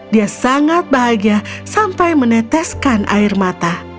dia sangat bahagia sampai meneteskan air mata